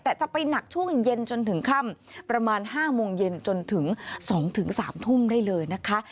แต่จะไปหนักช่วงเย็นจนถึงค่ำประมาณ๕โมงเย็นจนถึง๒๓ทุ่มได้เลยนะคะ